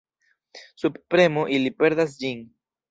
Sub premo ili perdas ĝin.